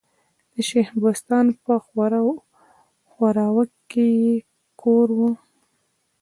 د شېخ بستان په ښوراوک کي ئې کور ؤ.